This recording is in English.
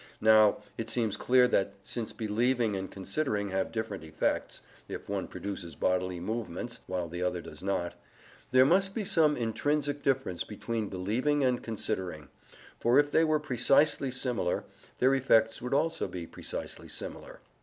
Now, it seems clear that, since believing and considering have different effects if one produces bodily movements while the other does not, there must be some intrinsic difference between believing and considering*; for if they were precisely similar, their effects also would be precisely similar.